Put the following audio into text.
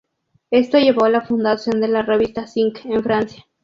Esto llevó a la fundación de la revista Zinc en Francia.